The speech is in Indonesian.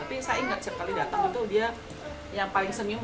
tapi saya ingat setiap kali datang itu dia yang paling senyum